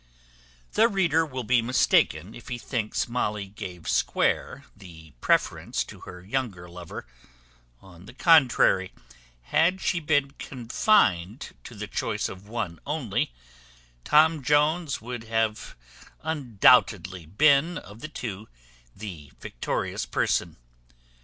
The reader will be mistaken, if he thinks Molly gave Square the preference to her younger lover: on the contrary, had she been confined to the choice of one only, Tom Jones would undoubtedly have been, of the two, the victorious person.